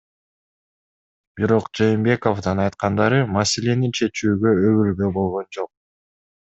Бирок Жээнбековдун айткандары маселени чечүүгө өбөлгө болгон жок.